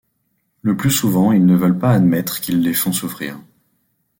Le plus souvent ils ne veulent pas admettre qu'ils les font souffrir.